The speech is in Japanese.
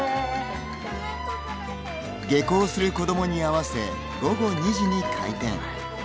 下校する子どもに合わせ午後２時に開店。